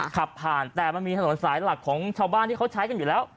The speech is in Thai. ขับผ่านแต่มันมีถนนสายหลักของชาวบ้านที่เขาใช้กันอยู่แล้ว